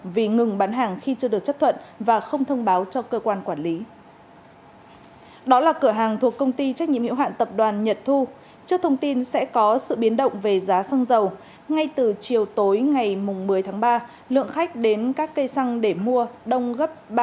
vì ngừng bán lẻ xong dầu ở xã phùng xá huyện thạch thất thành phố hà nội vừa bị phạt một mươi năm triệu đồng